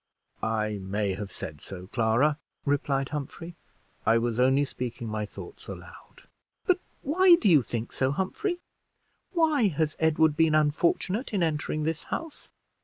"I may have said so, Clara," replied Humphrey; "it was only speaking my thoughts aloud." "But why do you think so, Humphrey? Why has Edward been unfortunate in entering this house?